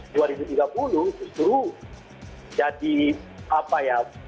justru jadi apa ya